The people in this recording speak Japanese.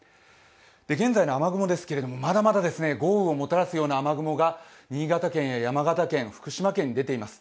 現在の雨雲ですけども、まだまだ豪雨をもたらすような雨雲が新潟県、山形県、福島県に出ています。